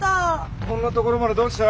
こんな所までどうした？